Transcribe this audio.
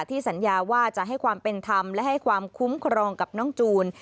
สัญญาว่าจะให้ความเป็นธรรมและให้ความคุ้มครองกับน้องจูน